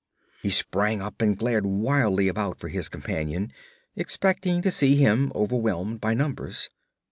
He sprang up and glared wildly about for his companion, expecting to see him overwhelmed by numbers.